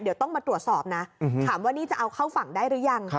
เดี๋ยวต้องมาตรวจสอบนะถามว่านี่จะเอาเข้าฝั่งได้หรือยัง